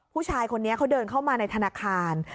ผู้ชายคนนี้เขาเดินเข้ามาในธนาคาร